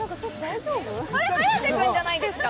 あれ、颯君じゃないですか？